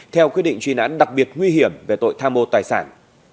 theo quyết định truy nãn đặc biệt nguy hiểm về tội tham mô tài sản